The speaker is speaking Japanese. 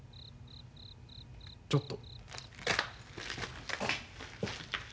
ちょっと。